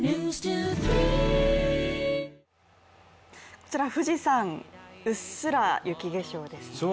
こちら、富士山、うっすら雪化粧ですね。